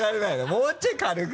もうちょい軽く。